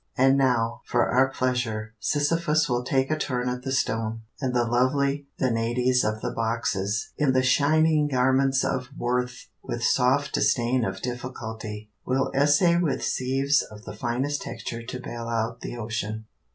And now, for our pleasure, Sisyphus will take a turn at the stone, and the lovely Danaides of the boxes, in the shining garments of Worth, with soft disdain of difficulty, will essay with sieves of the finest texture to bale out the ocean.